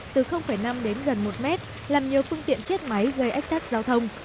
từ năm đến gần một m làm nhiều phương tiện chết máy gây ách thác giao thông